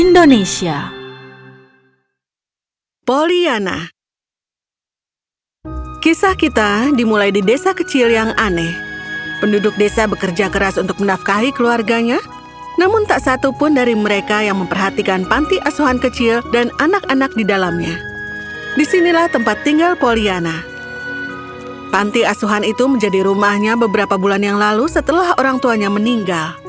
dongeng bahasa indonesia